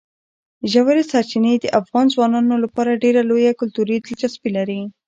ژورې سرچینې د افغان ځوانانو لپاره ډېره لویه کلتوري دلچسپي لري.